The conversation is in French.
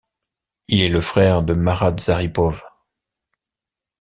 Il est le frère de Marat Zaripov.